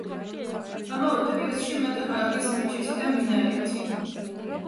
ამავე პერიოდში მათ ააგეს მეჩეთი და მინარეთი.